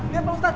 lihat pak ustadz